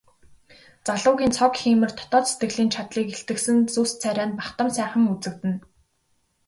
Залуугийн цог хийморь дотоод сэтгэлийн чадлыг илтгэсэн зүс царай нь бахдам сайхан үзэгдэнэ.